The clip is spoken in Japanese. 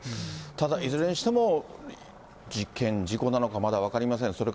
ただ、いずれにしても事件、事故なのか、まだ分かりません。